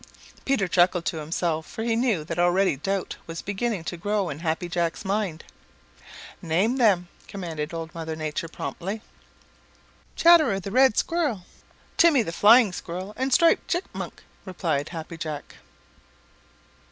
Peter chuckled to himself, for he knew that already doubt was beginning to grow in Happy Jack's mind. "Name them," commanded Old Mother Nature promptly. "Chatterer the Red Squirrel, Timmy the Flying Squirrel, and Striped Chipmunk," replied Happy Jack.